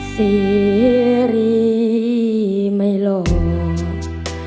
สิริไม่หลอกขอพ้นต่อหลวงปู่สุด